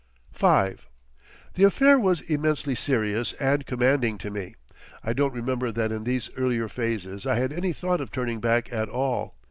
V The affair was immensely serious and commanding to me. I don't remember that in these earlier phases I had any thought of turning back at all.